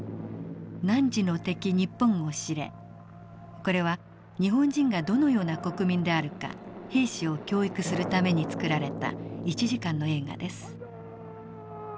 これは日本人がどのような国民であるか兵士を教育するために作られた１時間の映画です。